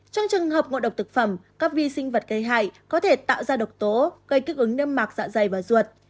trong trường hợp ngộ độc thực phẩm các vi sinh vật gây hại có thể tạo ra độc tố gây kích ứng nâm mạc dạ dày và ruột